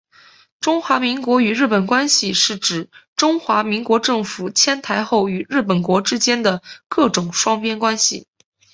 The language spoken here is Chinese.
中华民国与日本关系是指中华民国政府迁台后与日本国之间的各种双边关系。